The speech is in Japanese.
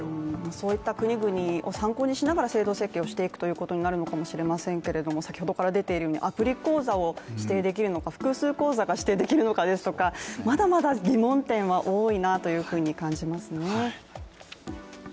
そういった国々を参考にしながら制度設計をしていくということになるのかもしれませんがアプリ口座を指定できるのか複数口座が指定できるのかですとかまだまだ疑問点は多いなと感じますね。